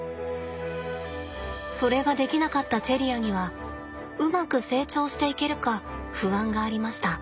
それができなかったチェリアにはうまく成長していけるか不安がありました。